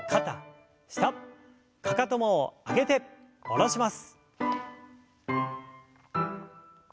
かかとも上げて下ろします。